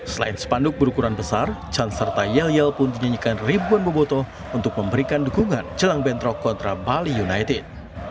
selain sepanduk berukuran besar canserta yel yel pun menyanyikan ribuan boboto untuk memberikan dukungan celang bentrok kontra bali united